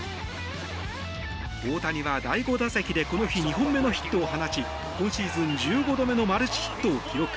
大谷は第５打席でこの日、２本目のヒットを放ち今シーズン１５度目のマルチヒットを記録。